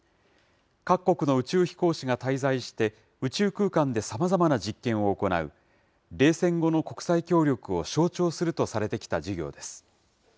各国の宇宙飛行士が滞在して、宇宙空間でさまざまな実験を行う、冷戦後の国際協力を象徴するとされてきた事業です。